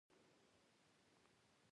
احمد تل د کلي خلک له اور څخه ژغورلي دي.